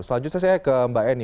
selanjutnya saya ke mbak eni